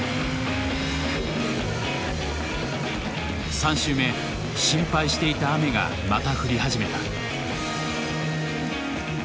３周目心配していた雨がまた降り始めた。